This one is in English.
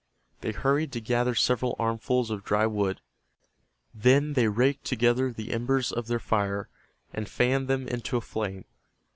They hurried to gather several armfuls of dry wood. Then they raked together the embers of their fire, and fanned them into a flame.